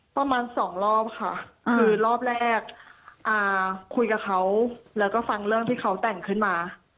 ประมาณสองรอบค่ะคือรอบแรกคุยกับเขาแล้วก็ฟังเรื่องที่เขาแต่งขึ้นมา